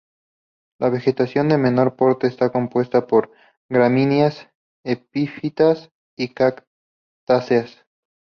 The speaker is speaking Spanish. La vegetación de menor porte está compuesta por gramíneas, epífitas y cactáceas.